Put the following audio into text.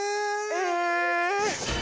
え！